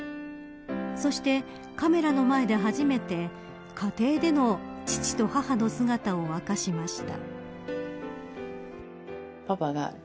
そしてカメラの前で初めて家庭での父と母の姿を明かしました。